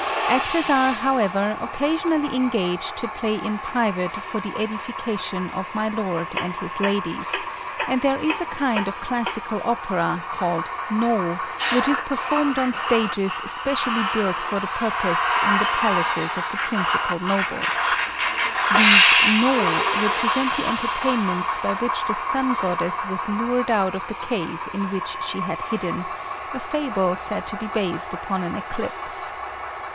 Actors are, however, occasionally engaged to play in private for the edification of my lord and his ladies; and there is a kind of classical opera, called Nô, which is performed on stages specially built for the purpose in the palaces of the principal nobles. These Nô represent the entertainments by which the Sun Goddess was lured out of the cave in which she had hidden, a fable said to be based upon an eclipse.